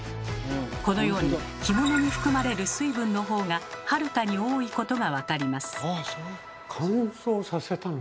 このように干物に含まれる水分の方がはるかに多いことがわかります。